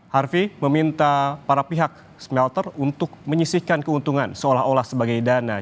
harvey meminta para pihak smelter untuk menyisihkan keuntungan seolah olah sebagai dana